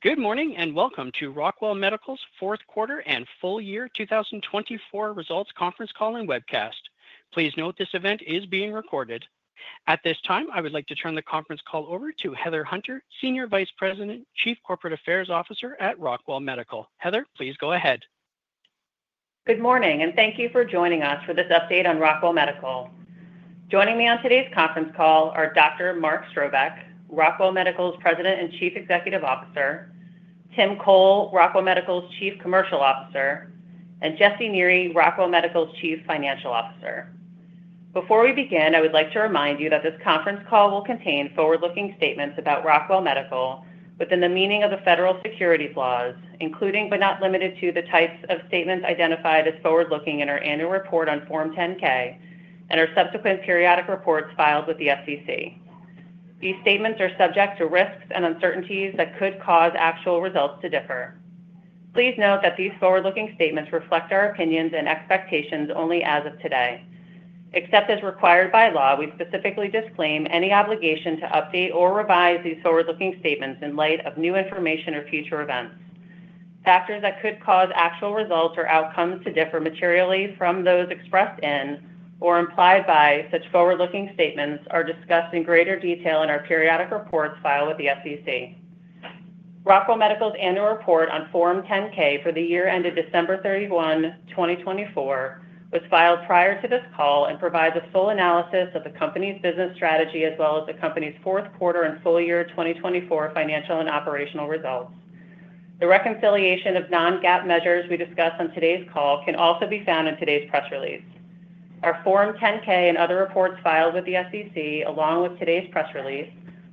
Good morning and welcome to Rockwell Medical's fourth quarter and full year 2024 results conference call and webcast. Please note this event is being recorded. At this time, I would like to turn the conference call over to Heather Hunter, Senior Vice President, Chief Corporate Affairs Officer at Rockwell Medical. Heather, please go ahead. Good morning and thank you for joining us for this update on Rockwell Medical. Joining me on today's conference call are Dr. Mark Strobeck, Rockwell Medical's President and Chief Executive Officer, Tim Chole, Rockwell Medical's Chief Commercial Officer, and Jesse Neri, Rockwell Medical's Chief Financial Officer. Before we begin, I would like to remind you that this conference call will contain forward-looking statements about Rockwell Medical within the meaning of the federal securities laws, including but not limited to the types of statements identified as forward-looking in our annual report on Form 10-K and our subsequent periodic reports filed with the SEC. These statements are subject to risks and uncertainties that could cause actual results to differ. Please note that these forward-looking statements reflect our opinions and expectations only as of today. Except as required by law, we specifically disclaim any obligation to update or revise these forward-looking statements in light of new information or future events. Factors that could cause actual results or outcomes to differ materially from those expressed in or implied by such forward-looking statements are discussed in greater detail in our periodic reports filed with the SEC. Rockwell Medical's annual report on Form 10-K for the year ended December 31, 2024, was filed prior to this call and provides a full analysis of the company's business strategy as well as the company's fourth quarter and full year 2024 financial and operational results. The reconciliation of non-GAAP measures we discuss on today's call can also be found in today's press release. Our Form 10-K and other reports filed with the SEC, along with today's press release,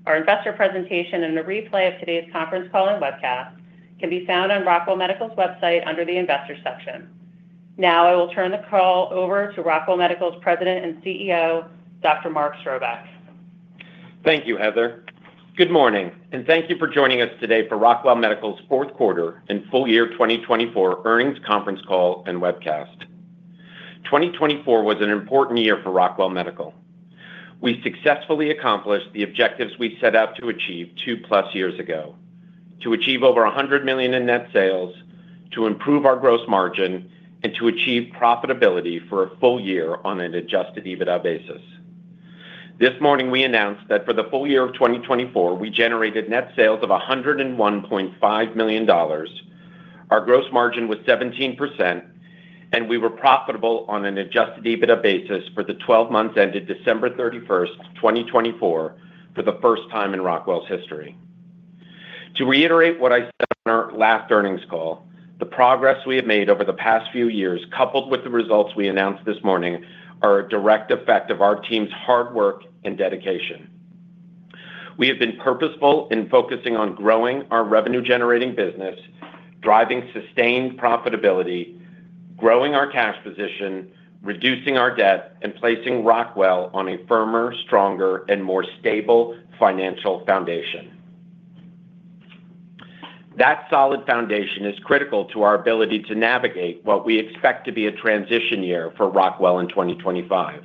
our investor presentation, and a replay of today's conference call and webcast can be found on Rockwell Medical's website under the investor section. Now I will turn the call over to Rockwell Medical's President and CEO, Dr. Mark Strobeck. Thank you, Heather. Good morning and thank you for joining us today for Rockwell Medical's fourth quarter and full year 2024 earnings conference call and webcast. 2024 was an important year for Rockwell Medical. We successfully accomplished the objectives we set out to achieve two-plus years ago: to achieve over $100 million in net sales, to improve our gross margin, and to achieve profitability for a full year on an adjusted EBITDA basis. This morning, we announced that for the full year of 2024, we generated net sales of $101.5 million, our gross margin was 17%, and we were profitable on an adjusted EBITDA basis for the 12 months ended December 31st, 2024, for the first time in Rockwell Medical's history. To reiterate what I said on our last earnings call, the progress we have made over the past few years, coupled with the results we announced this morning, are a direct effect of our team's hard work and dedication. We have been purposeful in focusing on growing our revenue-generating business, driving sustained profitability, growing our cash position, reducing our debt, and placing Rockwell on a firmer, stronger, and more stable financial foundation. That solid foundation is critical to our ability to navigate what we expect to be a transition year for Rockwell in 2025.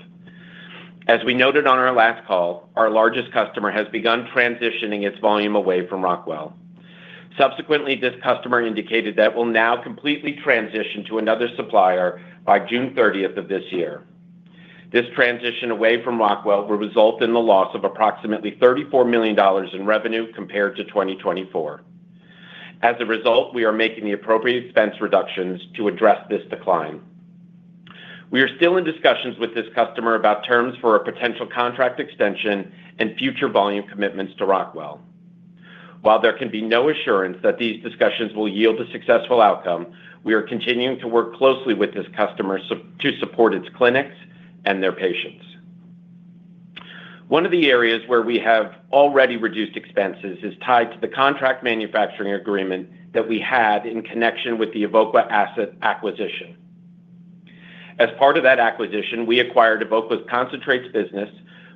As we noted on our last call, our largest customer has begun transitioning its volume away from Rockwell. Subsequently, this customer indicated that it will now completely transition to another supplier by June 30th of this year. This transition away from Rockwell will result in the loss of approximately $34 million in revenue compared to 2024. As a result, we are making the appropriate expense reductions to address this decline. We are still in discussions with this customer about terms for a potential contract extension and future volume commitments to Rockwell. While there can be no assurance that these discussions will yield a successful outcome, we are continuing to work closely with this customer to support its clinics and their patients. One of the areas where we have already reduced expenses is tied to the contract manufacturing agreement that we had in connection with the Evoqua asset acquisition. As part of that acquisition, we acquired Evoqua's concentrates business,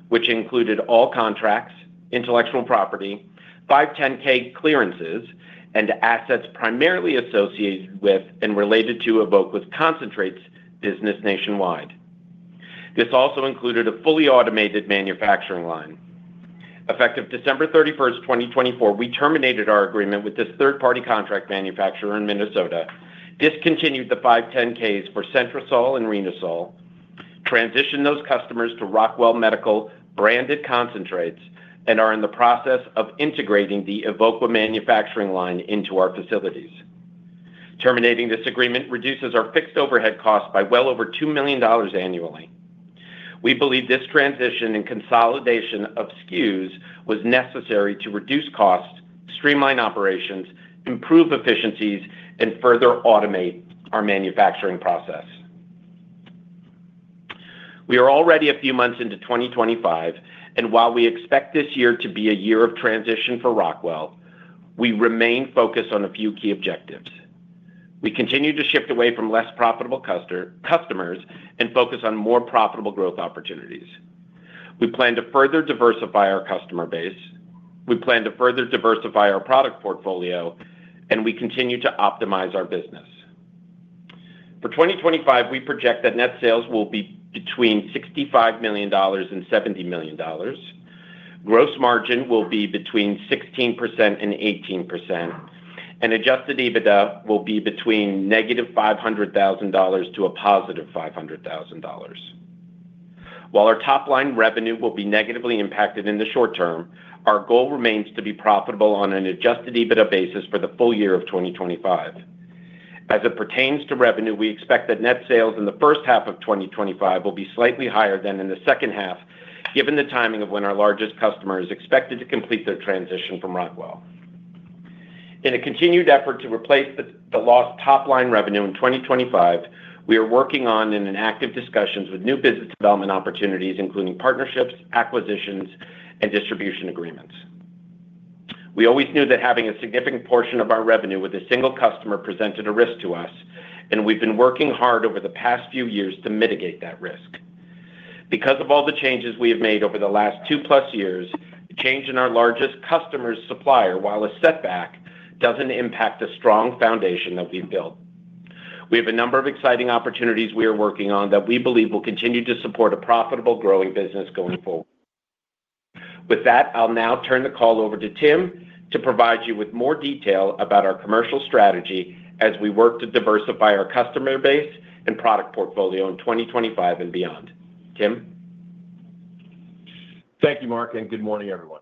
which included all contracts, intellectual property, 510(k) clearances, and assets primarily associated with and related to Evoqua's concentrates business nationwide. This also included a fully automated manufacturing line. Effective December 31st, 2024, we terminated our agreement with this third-party contract manufacturer in Minnesota, discontinued the 510(k)s for Centrisol and Renasol, transitioned those customers to Rockwell Medical branded concentrates, and are in the process of integrating the Evoqua manufacturing line into our facilities. Terminating this agreement reduces our fixed overhead costs by well over $2 million annually. We believe this transition and consolidation of SKUs was necessary to reduce costs, streamline operations, improve efficiencies, and further automate our manufacturing process. We are already a few months into 2025, and while we expect this year to be a year of transition for Rockwell, we remain focused on a few key objectives. We continue to shift away from less profitable customers and focus on more profitable growth opportunities. We plan to further diversify our customer base. We plan to further diversify our product portfolio, and we continue to optimize our business. For 2025, we project that net sales will be between $65 million and $70 million. Gross margin will be between 16% and 18%, and adjusted EBITDA will be between -$500,000 to a +$500,000. While our top-line revenue will be negatively impacted in the short term, our goal remains to be profitable on an adjusted EBITDA basis for the full year of 2025. As it pertains to revenue, we expect that net sales in the first half of 2025 will be slightly higher than in the second half, given the timing of when our largest customer is expected to complete their transition from Rockwell. In a continued effort to replace the lost top-line revenue in 2025, we are working on and in active discussions with new business development opportunities, including partnerships, acquisitions, and distribution agreements. We always knew that having a significant portion of our revenue with a single customer presented a risk to us, and we've been working hard over the past few years to mitigate that risk. Because of all the changes we have made over the last two-plus years, the change in our largest customer's supplier, while a setback, doesn't impact the strong foundation that we've built. We have a number of exciting opportunities we are working on that we believe will continue to support a profitable, growing business going forward. With that, I'll now turn the call over to Tim to provide you with more detail about our commercial strategy as we work to diversify our customer base and product portfolio in 2025 and beyond. Tim. Thank you, Mark, and good morning, everyone.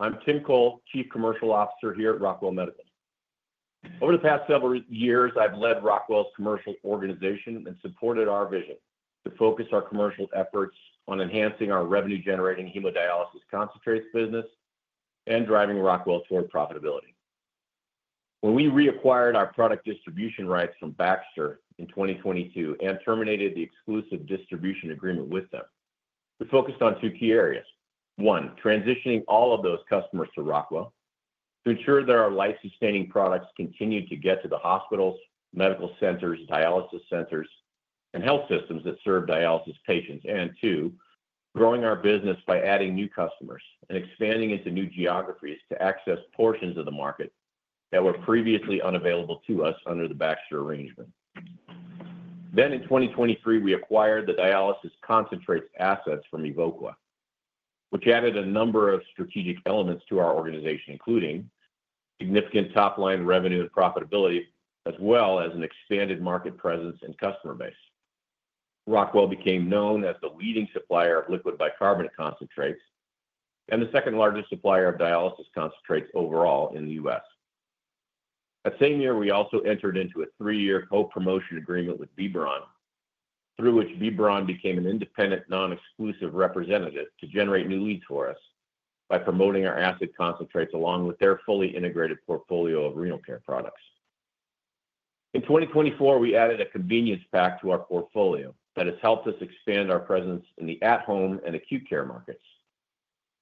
I'm Tim Chole, Chief Commercial Officer here at Rockwell Medical. Over the past several years, I've led Rockwell's commercial organization and supported our vision to focus our commercial efforts on enhancing our revenue-generating hemodialysis concentrates business and driving Rockwell toward profitability. When we reacquired our product distribution rights from Baxter in 2022 and terminated the exclusive distribution agreement with them, we focused on two key areas. One, transitioning all of those customers to Rockwell to ensure that our life-sustaining products continue to get to the hospitals, medical centers, dialysis centers, and health systems that serve dialysis patients. Two, growing our business by adding new customers and expanding into new geographies to access portions of the market that were previously unavailable to us under the Baxter arrangement. In 2023, we acquired the dialysis concentrates assets from Evoqua, which added a number of strategic elements to our organization, including significant top-line revenue and profitability, as well as an expanded market presence and customer base. Rockwell became known as the leading supplier of liquid bicarbonate concentrates and the second-largest supplier of dialysis concentrates overall in the U.S. That same year, we also entered into a three-year co-promotion agreement with B. Braun, through which B. Braun became an independent, non-exclusive representative to generate new leads for us by promoting our acid concentrates along with their fully integrated portfolio of renal care products. In 2024, we added a convenience pack to our portfolio that has helped us expand our presence in the at-home and acute care markets.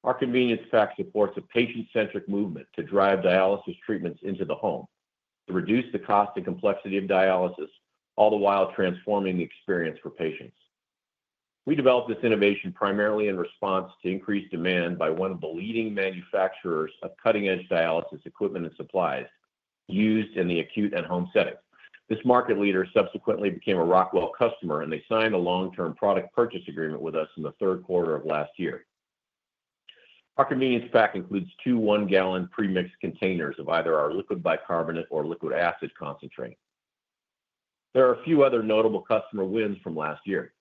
Our convenience pack supports a patient-centric movement to drive dialysis treatments into the home, to reduce the cost and complexity of dialysis, all the while transforming the experience for patients. We developed this innovation primarily in response to increased demand by one of the leading manufacturers of cutting-edge dialysis equipment and supplies used in the acute and home setting. This market leader subsequently became a Rockwell customer, and they signed a long-term product purchase agreement with us in the third quarter of last year. Our convenience pack includes two 1 gal premixed containers of either our liquid bicarbonate or liquid acid concentrate. There are a few other notable customer wins from last year.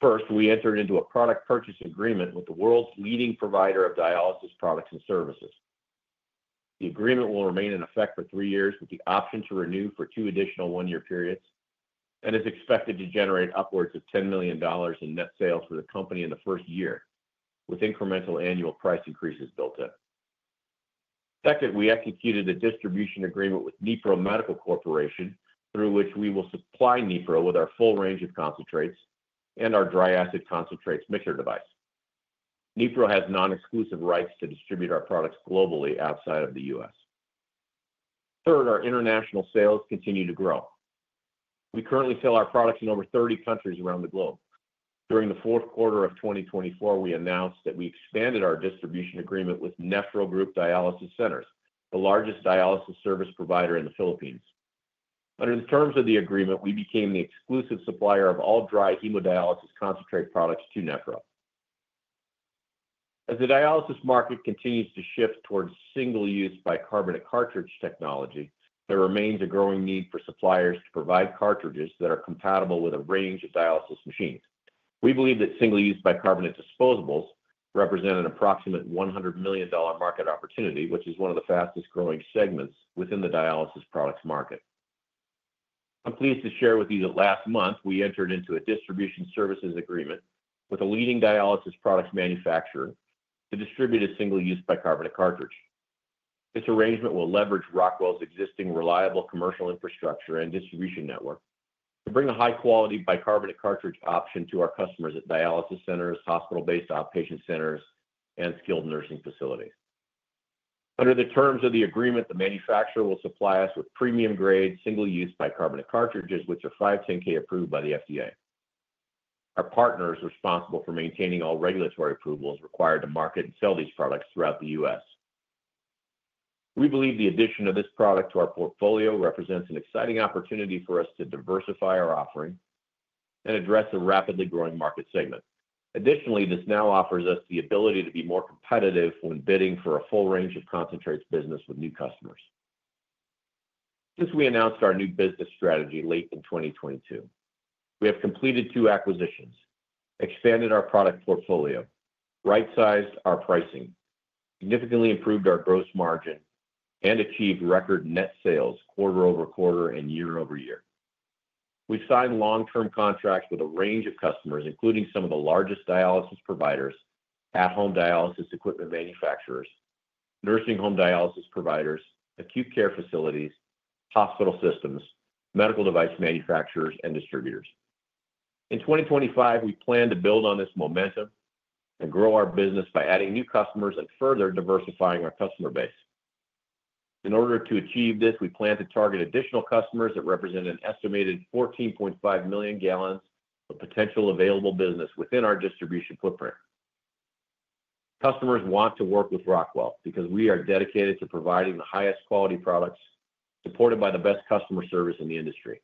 First, we entered into a product purchase agreement with the world's leading provider of dialysis products and services. The agreement will remain in effect for three years with the option to renew for two additional one-year periods and is expected to generate upwards of $10 million in net sales for the company in the first year, with incremental annual price increases built in. Second, we executed a distribution agreement with Nipro Medical Corporation, through which we will supply Nipro with our full range of concentrates and our dry acid concentrates mixer device. Nipro has non-exclusive rights to distribute our products globally outside of the U.S. Third, our international sales continue to grow. We currently sell our products in over 30 countries around the globe. During the fourth quarter of 2024, we announced that we expanded our distribution agreement with Nephro Group Dialysis Centers, the largest dialysis service provider in the Philippines. Under the terms of the agreement, we became the exclusive supplier of all dry hemodialysis concentrate products to Nephro. As the dialysis market continues to shift towards single-use bicarbonate cartridge technology, there remains a growing need for suppliers to provide cartridges that are compatible with a range of dialysis machines. We believe that single-use bicarbonate disposables represent an approximate $100 million market opportunity, which is one of the fastest-growing segments within the dialysis products market. I'm pleased to share with you that last month, we entered into a distribution services agreement with a leading dialysis products manufacturer to distribute a single-use bicarbonate cartridge. This arrangement will leverage Rockwell's existing reliable commercial infrastructure and distribution network to bring a high-quality bicarbonate cartridge option to our customers at dialysis centers, hospital-based outpatient centers, and skilled nursing facilities. Under the terms of the agreement, the manufacturer will supply us with premium-grade single-use bicarbonate cartridges, which are 510(k) approved by the FDA. Our partner is responsible for maintaining all regulatory approvals required to market and sell these products throughout the U.S. We believe the addition of this product to our portfolio represents an exciting opportunity for us to diversify our offering and address a rapidly growing market segment. Additionally, this now offers us the ability to be more competitive when bidding for a full range of concentrates business with new customers. Since we announced our new business strategy late in 2022, we have completed two acquisitions, expanded our product portfolio, right-sized our pricing, significantly improved our gross margin, and achieved record net sales quarter-over-quarter and year-over-year. We've signed long-term contracts with a range of customers, including some of the largest dialysis providers, at-home dialysis equipment manufacturers, nursing home dialysis providers, acute care facilities, hospital systems, medical device manufacturers, and distributors. In 2025, we plan to build on this momentum and grow our business by adding new customers and further diversifying our customer base. In order to achieve this, we plan to target additional customers that represent an estimated 14.5 million gal of potential available business within our distribution footprint. Customers want to work with Rockwell because we are dedicated to providing the highest quality products supported by the best customer service in the industry.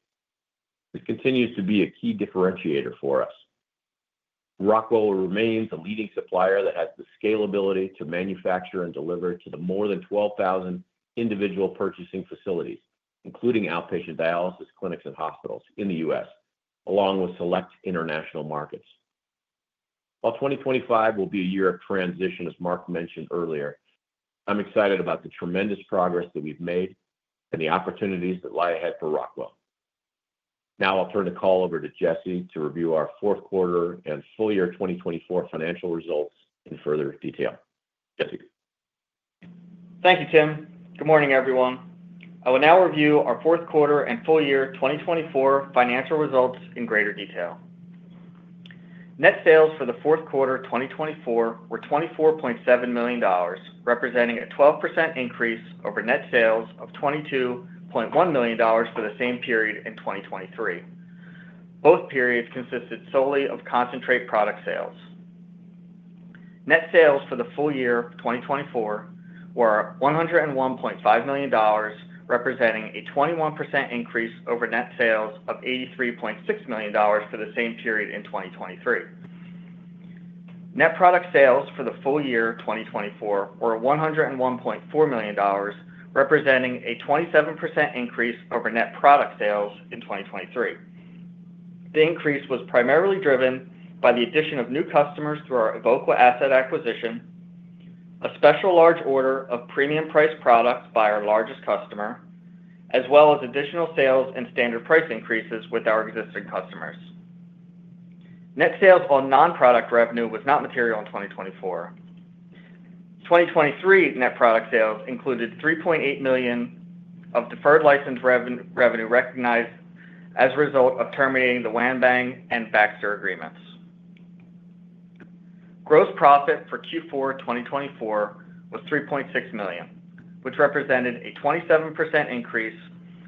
This continues to be a key differentiator for us. Rockwell remains a leading supplier that has the scalability to manufacture and deliver to the more than 12,000 individual purchasing facilities, including outpatient dialysis clinics and hospitals in the U.S., along with select international markets. While 2025 will be a year of transition, as Mark mentioned earlier, I'm excited about the tremendous progress that we've made and the opportunities that lie ahead for Rockwell. Now, I'll turn the call over to Jesse to review our fourth quarter and full year 2024 financial results in further detail. Jesse. Thank you, Tim. Good morning, everyone. I will now review our fourth quarter and full year 2024 financial results in greater detail. Net sales for the fourth quarter 2024 were $24.7 million, representing a 12% increase over net sales of $22.1 million for the same period in 2023. Both periods consisted solely of concentrate product sales. Net sales for the full year 2024 were $101.5 million, representing a 21% increase over net sales of $83.6 million for the same period in 2023. Net product sales for the full year 2024 were $101.4 million, representing a 27% increase over net product sales in 2023. The increase was primarily driven by the addition of new customers through our Evoqua asset acquisition, a special large order of premium-priced products by our largest customer, as well as additional sales and standard price increases with our existing customers. Net sales on non-product revenue was not material in 2024. 2023 net product sales included $3.8 million of deferred license revenue recognized as a result of terminating the Wanbang and Baxter agreements. Gross profit for Q4 2024 was $3.6 million, which represented a 27% increase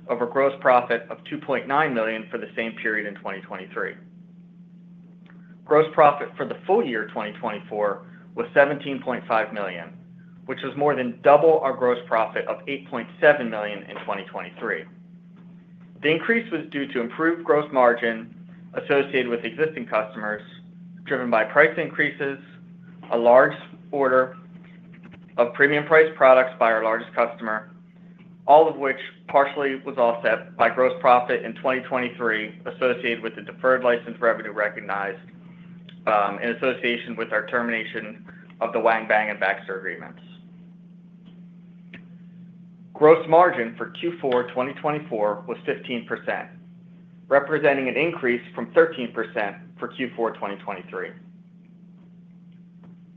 over gross profit of $2.9 million for the same period in 2023. Gross profit for the full year 2024 was $17.5 million, which was more than double our gross profit of $8.7 million in 2023. The increase was due to improved gross margin associated with existing customers driven by price increases, a large order of premium-priced products by our largest customer, all of which partially was offset by gross profit in 2023 associated with the deferred license revenue recognized in association with our termination of the Wanbang and Baxter agreements. Gross margin for Q4 2024 was 15%, representing an increase from 13% for Q4 2023.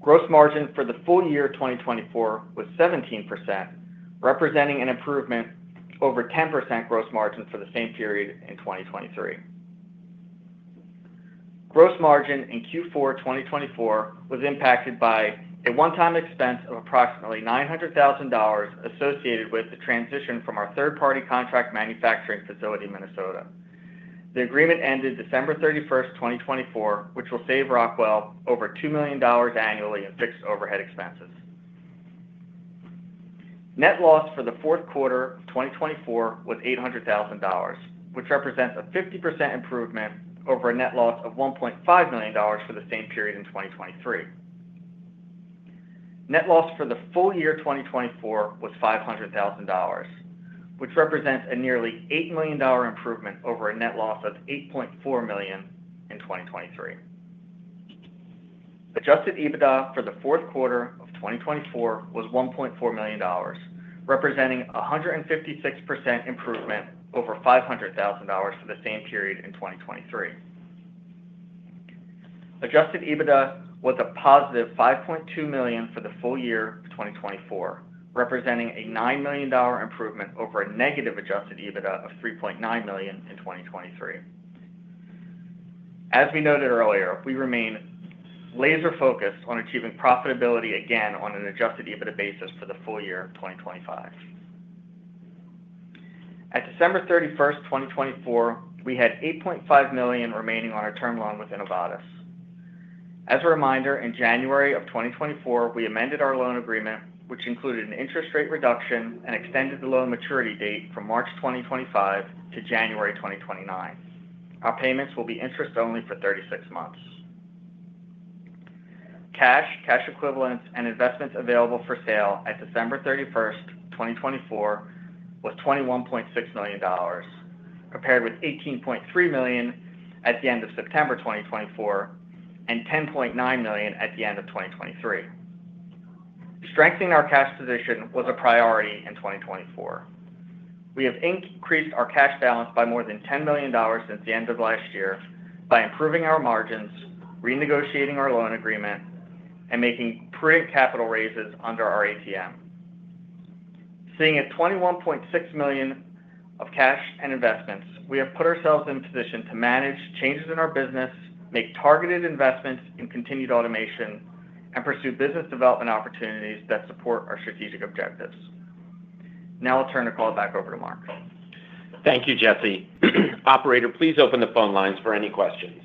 Gross margin for the full year 2024 was 17%, representing an improvement over 10% gross margin for the same period in 2023. Gross margin in Q4 2024 was impacted by a one-time expense of approximately $900,000 associated with the transition from our third-party contract manufacturing facility in Minnesota. The agreement ended December 31st, 2024, which will save Rockwell over $2 million annually in fixed overhead expenses. Net loss for the fourth quarter of 2024 was $800,000, which represents a 50% improvement over a net loss of $1.5 million for the same period in 2023. Net loss for the full year 2024 was $500,000, which represents a nearly $8 million improvement over a net loss of $8.4 million in 2023. Adjusted EBITDA for the fourth quarter of 2024 was $1.4 million, representing a 156% improvement over $500,000 for the same period in 2023. Adjusted EBITDA was a +$5.2 million for the full year 2024, representing a $9 million improvement over a negative adjusted EBITDA of $3.9 million in 2023. As we noted earlier, we remain laser-focused on achieving profitability again on an adjusted EBITDA basis for the full year 2025. At December 31st, 2024, we had $8.5 million remaining on our term loan with Innovatus. As a reminder, in January of 2024, we amended our loan agreement, which included an interest rate reduction and extended the loan maturity date from March 2025 to January 2029. Our payments will be interest-only for 36 months. Cash, cash equivalents, and investments available for sale at December 31st, 2024, was $21.6 million, compared with $18.3 million at the end of September 2024 and $10.9 million at the end of 2023. Strengthening our cash position was a priority in 2024. We have increased our cash balance by more than $10 million since the end of last year by improving our margins, renegotiating our loan agreement, and making prudent capital raises under our ATM. Seeing a $21.6 million of cash and investments, we have put ourselves in a position to manage changes in our business, make targeted investments in continued automation, and pursue business development opportunities that support our strategic objectives. Now, I'll turn the call back over to Mark. Thank you, Jesse. Operator, please open the phone lines for any questions.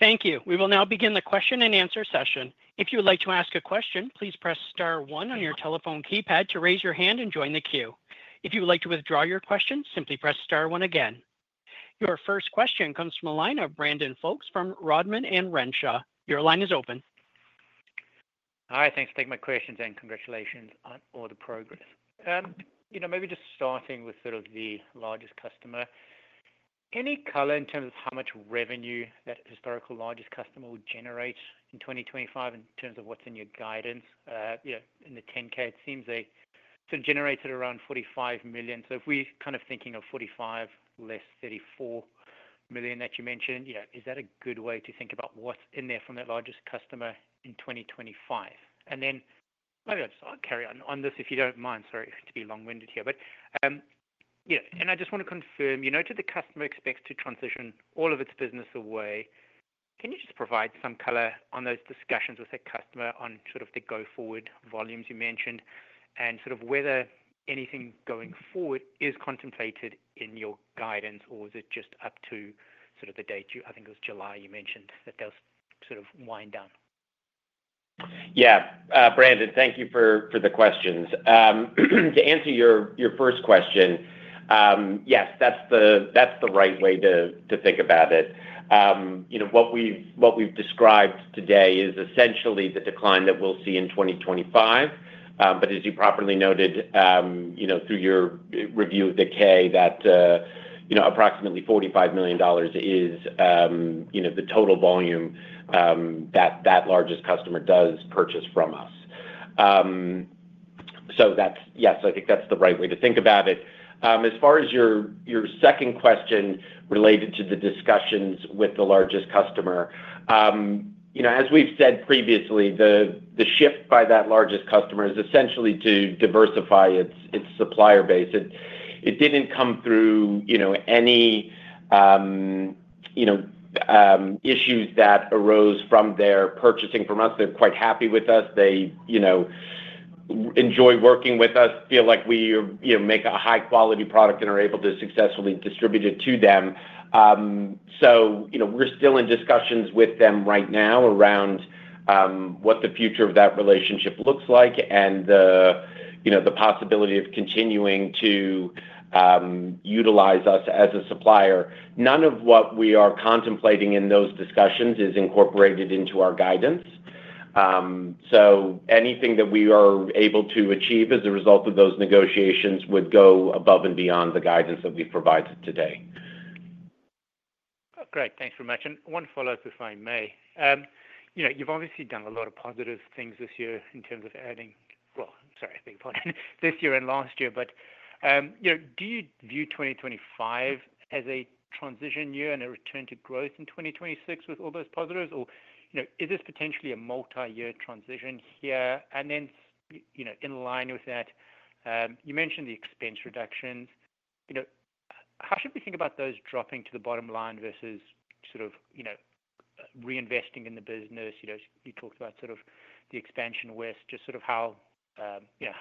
Thank you. We will now begin the question-and-answer session. If you would like to ask a question, please press star one on your telephone keypad to raise your hand and join the queue. If you would like to withdraw your question, simply press star one again. Your first question comes from a line of Brandon Folkes from Rodman & Renshaw. Your line is open. Hi. Thanks for taking my questions, and congratulations on all the progress. Maybe just starting with sort of the largest customer, any color in terms of how much revenue that historical largest customer will generate in 2025 in terms of what's in your guidance? In the 10-K, it seems they sort of generated around $45 million. So if we're kind of thinking of $45 million less $34 million that you mentioned, is that a good way to think about what's in there from that largest customer in 2025? I just want to confirm, you know, the customer expects to transition all of its business away. Can you just provide some color on those discussions with that customer on sort of the go-forward volumes you mentioned and sort of whether anything going forward is contemplated in your guidance, or is it just up to sort of the date? I think it was July you mentioned that they'll sort of wind down. Yeah. Brandon, thank you for the questions. To answer your first question, yes, that's the right way to think about it. What we've described today is essentially the decline that we'll see in 2025. As you properly noted through your review of the K, that approximately $45 million is the total volume that that largest customer does purchase from us. Yes, I think that's the right way to think about it. As far as your second question related to the discussions with the largest customer, as we've said previously, the shift by that largest customer is essentially to diversify its supplier base. It did not come through any issues that arose from their purchasing from us. They're quite happy with us. They enjoy working with us, feel like we make a high-quality product and are able to successfully distribute it to them. We're still in discussions with them right now around what the future of that relationship looks like and the possibility of continuing to utilize us as a supplier. None of what we are contemplating in those discussions is incorporated into our guidance. Anything that we are able to achieve as a result of those negotiations would go above and beyond the guidance that we've provided today. Great. Thanks very much. One follow-up, if I may. You've obviously done a lot of positive things this year in terms of adding—sorry, big apologies—this year and last year. Do you view 2025 as a transition year and a return to growth in 2026 with all those positives? Is this potentially a multi-year transition here? In line with that, you mentioned the expense reductions. How should we think about those dropping to the bottom line versus sort of reinvesting in the business? You talked about the expansion west, just how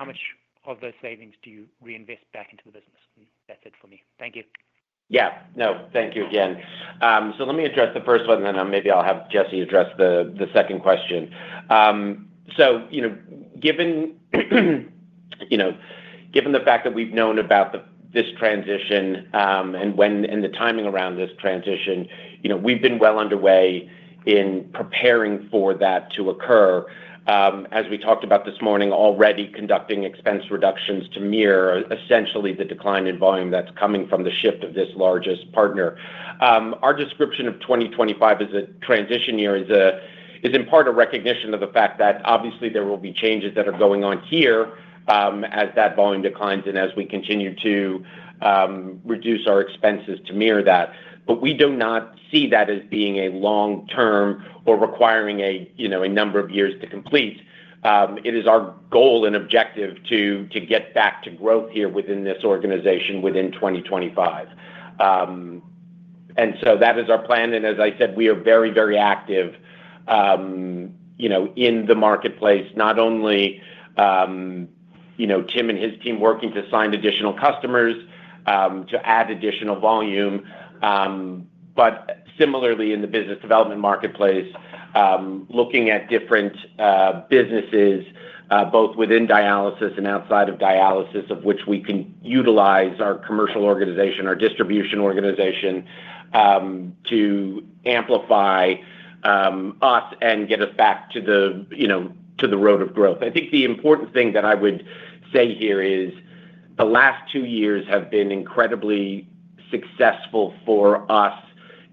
much of those savings do you reinvest back into the business? That's it for me. Thank you. Yeah. No, thank you again. Let me address the first one, and then maybe I'll have Jesse address the second question. Given the fact that we've known about this transition and the timing around this transition, we've been well underway in preparing for that to occur. As we talked about this morning, already conducting expense reductions to mirror essentially the decline in volume that's coming from the shift of this largest partner. Our description of 2025 as a transition year is in part a recognition of the fact that obviously there will be changes that are going on here as that volume declines and as we continue to reduce our expenses to mirror that. We do not see that as being a long term or requiring a number of years to complete. It is our goal and objective to get back to growth here within this organization within 2025. That is our plan. As I said, we are very, very active in the marketplace, not only Tim and his team working to sign additional customers to add additional volume, but similarly in the business development marketplace, looking at different businesses both within dialysis and outside of dialysis, of which we can utilize our commercial organization, our distribution organization to amplify us and get us back to the road of growth. I think the important thing that I would say here is the last two years have been incredibly successful for us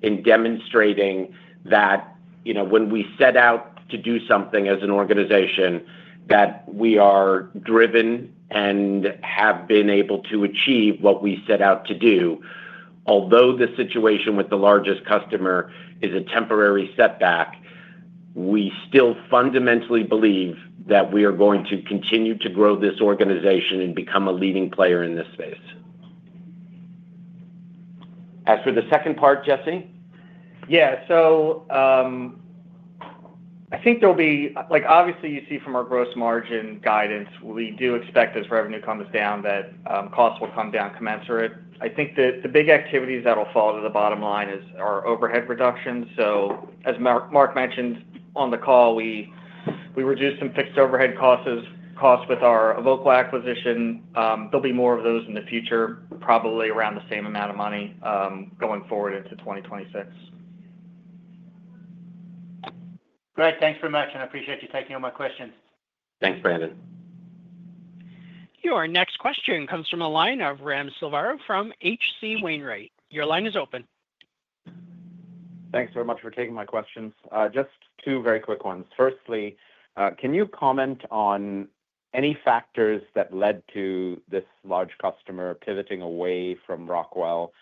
in demonstrating that when we set out to do something as an organization, that we are driven and have been able to achieve what we set out to do. Although the situation with the largest customer is a temporary setback, we still fundamentally believe that we are going to continue to grow this organization and become a leading player in this space. As for the second part, Jesse? Yeah. I think there'll be—obviously, you see from our gross margin guidance, we do expect as revenue comes down that costs will come down commensurate. I think the big activities that will fall to the bottom line are overhead reductions. As Mark mentioned on the call, we reduced some fixed overhead costs with our Evoqua acquisition. There'll be more of those in the future, probably around the same amount of money going forward into 2026. Great. Thanks very much. I appreciate you taking all my questions. Thanks, Brandon. Your next question comes from a line of Ram Selvaraju from H.C. Wainwright. Your line is open. Thanks very much for taking my questions. Just two very quick ones. Firstly, can you comment on any factors that led to this large customer pivoting away from Rockwell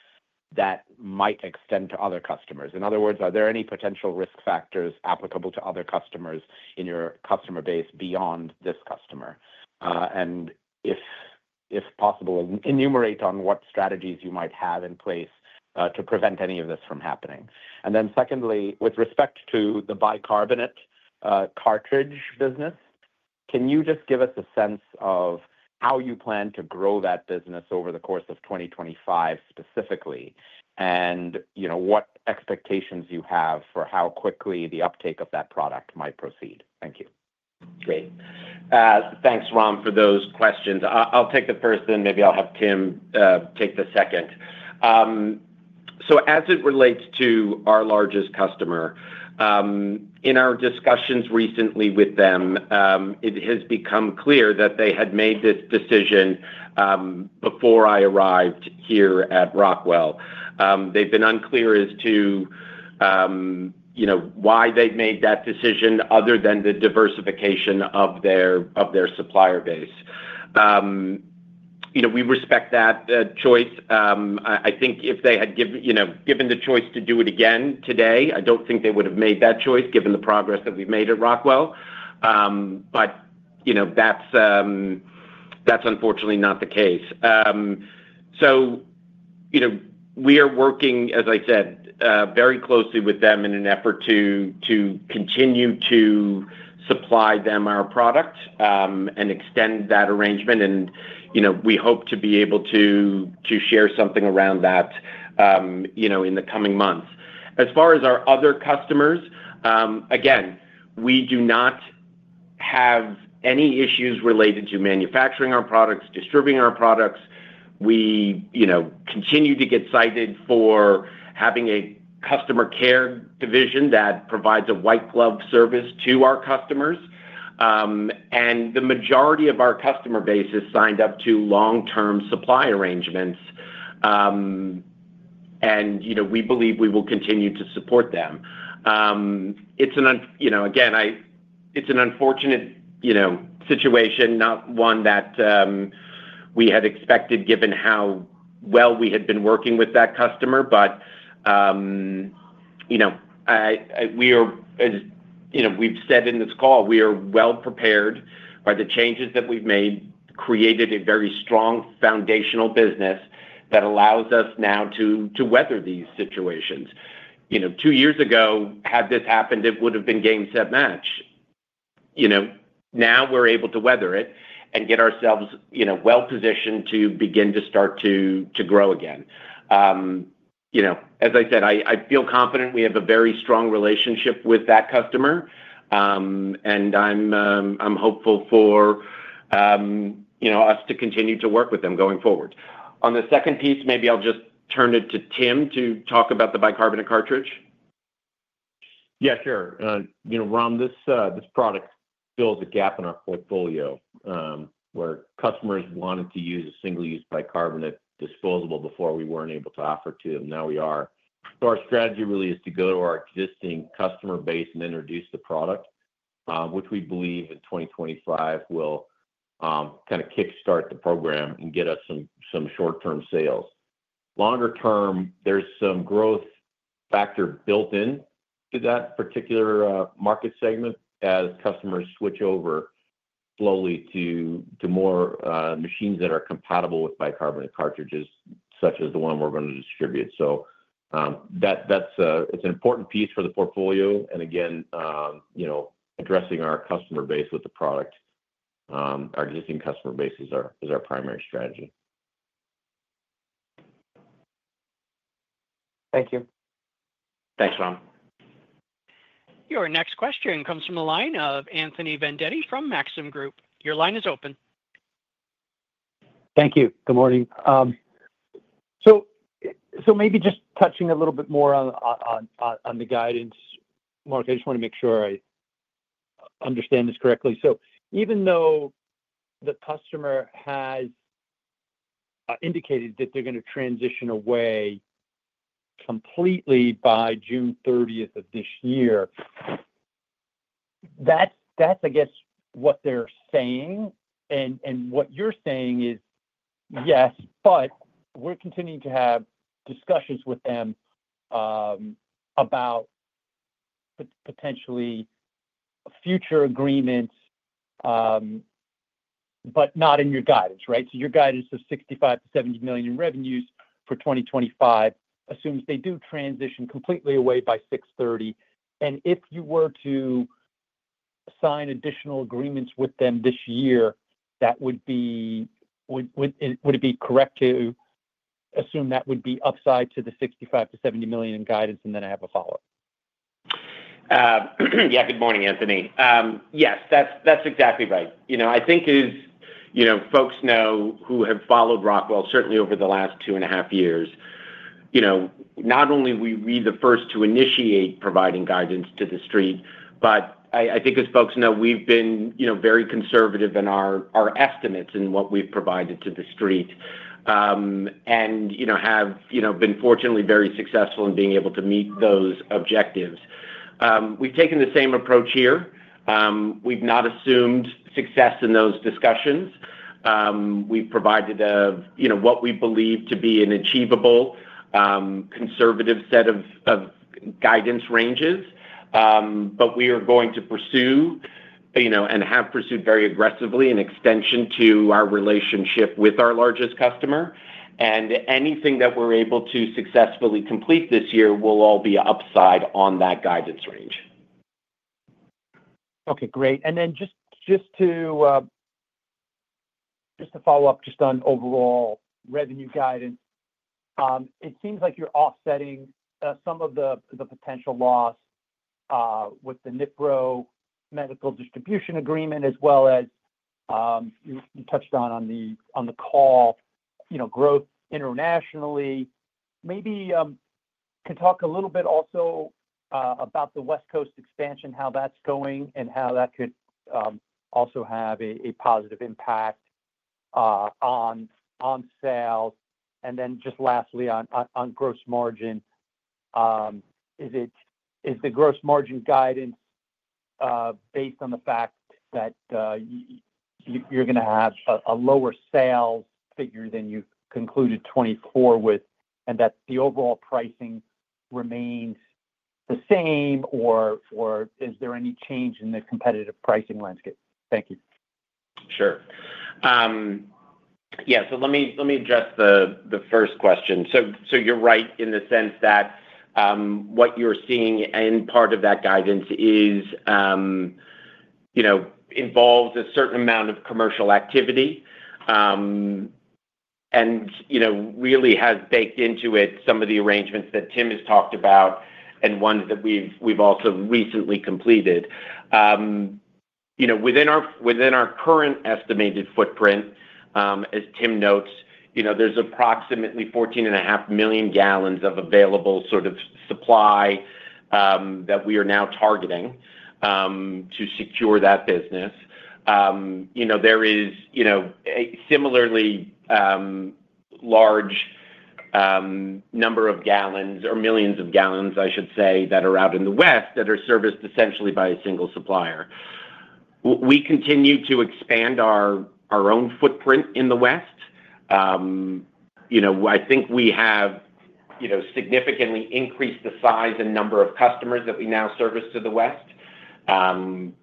that might extend to other customers? In other words, are there any potential risk factors applicable to other customers in your customer base beyond this customer? If possible, enumerate on what strategies you might have in place to prevent any of this from happening. Secondly, with respect to the bicarbonate cartridge business, can you just give us a sense of how you plan to grow that business over the course of 2025 specifically and what expectations you have for how quickly the uptake of that product might proceed? Thank you. Great. Thanks, Ram, for those questions. I'll take the first, and maybe I'll have Tim take the second. As it relates to our largest customer, in our discussions recently with them, it has become clear that they had made this decision before I arrived here at Rockwell. They've been unclear as to why they've made that decision other than the diversification of their supplier base. We respect that choice. I think if they had given the choice to do it again today, I don't think they would have made that choice given the progress that we've made at Rockwell. That's unfortunately not the case. We are working, as I said, very closely with them in an effort to continue to supply them our product and extend that arrangement. We hope to be able to share something around that in the coming months. As far as our other customers, again, we do not have any issues related to manufacturing our products, distributing our products. We continue to get cited for having a customer care division that provides a white-glove service to our customers. The majority of our customer base is signed up to long-term supply arrangements. We believe we will continue to support them. Again, it's an unfortunate situation, not one that we had expected given how well we had been working with that customer. As we've said in this call, we are well prepared by the changes that we've made, created a very strong foundational business that allows us now to weather these situations. Two years ago, had this happened, it would have been game set match. Now we're able to weather it and get ourselves well positioned to begin to start to grow again. As I said, I feel confident we have a very strong relationship with that customer. I am hopeful for us to continue to work with them going forward. On the second piece, maybe I'll just turn it to Tim to talk about the bicarbonate cartridge. Yeah, sure. Ram, this product fills a gap in our portfolio where customers wanted to use a single-use bicarbonate disposable before we weren't able to offer it to them. Now we are. Our strategy really is to go to our existing customer base and introduce the product, which we believe in 2025 will kind of kickstart the program and get us some short-term sales. Longer term, there's some growth factor built into that particular market segment as customers switch over slowly to more machines that are compatible with bicarbonate cartridges, such as the one we're going to distribute. That's an important piece for the portfolio. Again, addressing our customer base with the product, our existing customer base is our primary strategy. Thank you. Thanks, Ram. Your next question comes from the line of Anthony Vendetti from Maxim Group. Your line is open. Thank you. Good morning. Maybe just touching a little bit more on the guidance, Mark, I just want to make sure I understand this correctly. Even though the customer has indicated that they're going to transition away completely by June 30th of this year, that's, I guess, what they're saying. What you're saying is, yes, but we're continuing to have discussions with them about potentially future agreements, but not in your guidance, right? Your guidance of $65 million-$70 million in revenues for 2025 assumes they do transition completely away by 6/30. If you were to sign additional agreements with them this year, would it be correct to assume that would be upside to the $65 million-$70 million in guidance, and then I have a follow-up? Yeah. Good morning, Anthony. Yes, that's exactly right. I think as folks know who have followed Rockwell, certainly over the last two and a half years, not only were we the first to initiate providing guidance to the street, but I think as folks know, we've been very conservative in our estimates and what we've provided to the street and have been fortunately very successful in being able to meet those objectives. We've taken the same approach here. We've not assumed success in those discussions. We've provided what we believe to be an achievable conservative set of guidance ranges. We are going to pursue and have pursued very aggressively an extension to our relationship with our largest customer. Anything that we're able to successfully complete this year will all be upside on that guidance range. Okay. Great. Just to follow up just on overall revenue guidance, it seems like you're offsetting some of the potential loss with the Nipro Medical distribution agreement, as well as you touched on on the call, growth internationally. Maybe you can talk a little bit also about the West Coast expansion, how that's going and how that could also have a positive impact on sales. Just lastly, on gross margin, is the gross margin guidance based on the fact that you're going to have a lower sales figure than you concluded 2024 with, and that the overall pricing remains the same, or is there any change in the competitive pricing landscape? Thank you. Sure. Yeah. Let me address the first question. You're right in the sense that what you're seeing in part of that guidance involves a certain amount of commercial activity and really has baked into it some of the arrangements that Tim has talked about and ones that we've also recently completed. Within our current estimated footprint, as Tim notes, there's approximately 14.5 million gal of available sort of supply that we are now targeting to secure that business. There is a similarly large number of gallons, or millions of gallons, I should say, that are out in the West that are serviced essentially by a single supplier. We continue to expand our own footprint in the West. I think we have significantly increased the size and number of customers that we now service to the West.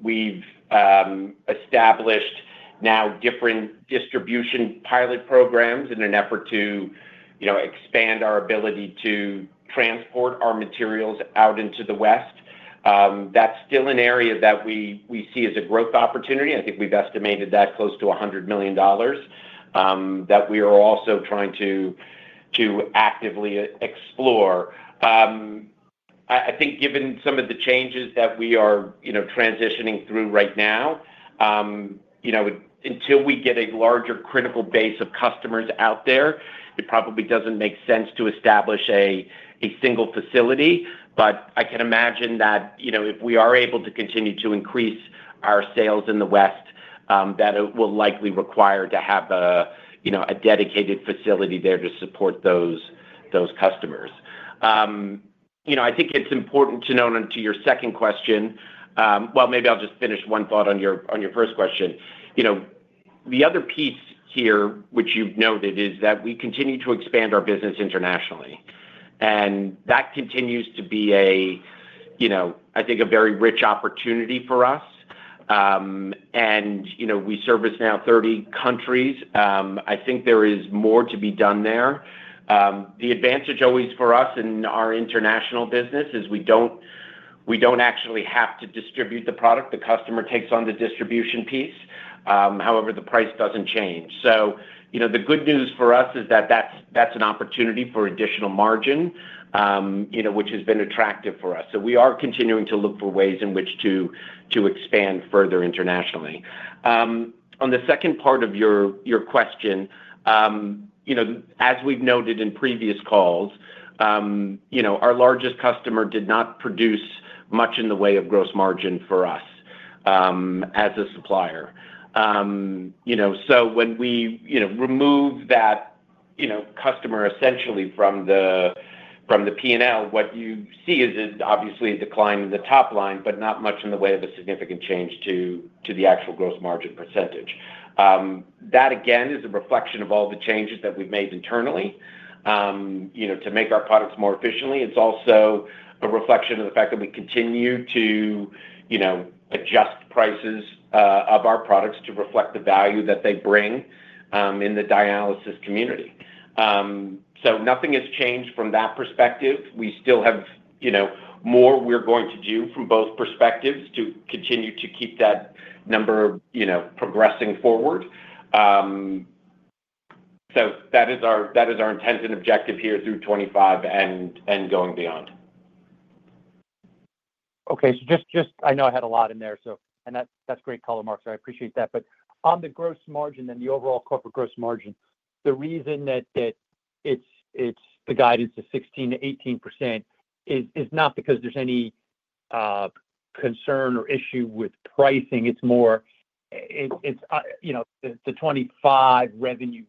We've established now different distribution pilot programs in an effort to expand our ability to transport our materials out into the West. That's still an area that we see as a growth opportunity. I think we've estimated that close to $100 million that we are also trying to actively explore. I think given some of the changes that we are transitioning through right now, until we get a larger critical base of customers out there, it probably doesn't make sense to establish a single facility. I can imagine that if we are able to continue to increase our sales in the West, that it will likely require to have a dedicated facility there to support those customers. I think it's important to note to your second question—maybe I'll just finish one thought on your first question. The other piece here, which you've noted, is that we continue to expand our business internationally. That continues to be, I think, a very rich opportunity for us. We service now 30 countries. I think there is more to be done there. The advantage always for us in our international business is we don't actually have to distribute the product. The customer takes on the distribution piece. However, the price doesn't change. The good news for us is that that's an opportunity for additional margin, which has been attractive for us. We are continuing to look for ways in which to expand further internationally. On the second part of your question, as we've noted in previous calls, our largest customer did not produce much in the way of gross margin for us as a supplier. When we remove that customer essentially from the P&L, what you see is obviously a decline in the top line, but not much in the way of a significant change to the actual gross margin percentage. That, again, is a reflection of all the changes that we've made internally to make our products more efficiently. It's also a reflection of the fact that we continue to adjust prices of our products to reflect the value that they bring in the dialysis community. Nothing has changed from that perspective. We still have more we're going to do from both perspectives to continue to keep that number progressing forward. That is our intent and objective here through 2025 and going beyond. Okay. I know I had a lot in there, and that's great color, Mark. I appreciate that. On the gross margin and the overall corporate gross margin, the reason that it's the guidance of 16%-18% is not because there's any concern or issue with pricing. It's more the 2025 revenue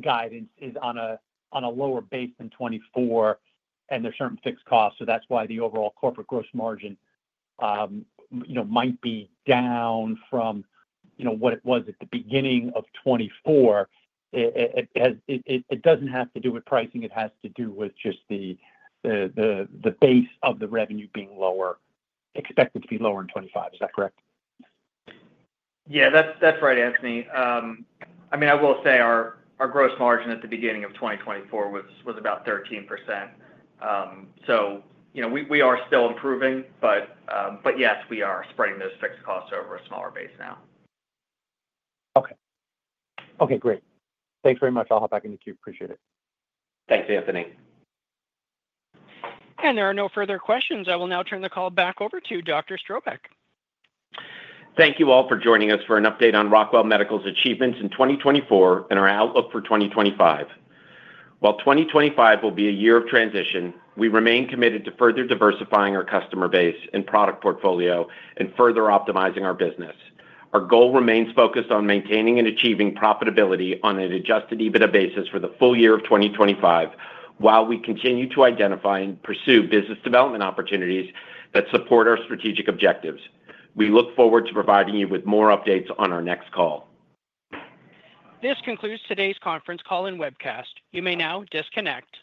guidance is on a lower base than 2024, and there are certain fixed costs. That's why the overall corporate gross margin might be down from what it was at the beginning of 2024. It doesn't have to do with pricing. It has to do with just the base of the revenue being lower, expected to be lower in 2025. Is that correct? Yeah, that's right, Anthony. I mean, I will say our gross margin at the beginning of 2024 was about 13%. We are still improving, but yes, we are spreading those fixed costs over a smaller base now. Okay. Okay. Great. Thanks very much. I'll hop back in the queue. Appreciate it. Thanks, Anthony. There are no further questions. I will now turn the call back over to Dr. Strobeck. Thank you all for joining us for an update on Rockwell Medical's achievements in 2024 and our outlook for 2025. While 2025 will be a year of transition, we remain committed to further diversifying our customer base and product portfolio and further optimizing our business. Our goal remains focused on maintaining and achieving profitability on an adjusted EBITDA basis for the full year of 2025, while we continue to identify and pursue business development opportunities that support our strategic objectives. We look forward to providing you with more updates on our next call. This concludes today's conference call and webcast. You may now disconnect.